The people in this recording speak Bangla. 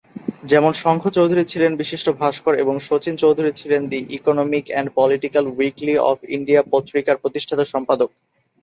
যেমন, শঙ্খ চৌধুরী ছিলেন বিশিষ্ট ভাস্কর এবং শচীন চৌধুরী ছিলেন "the Economic and Political Weekly of India" পত্রিকার প্রতিষ্ঠাতা-সম্পাদক।